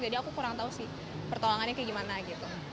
jadi aku kurang tahu sih pertolongannya kayak gimana gitu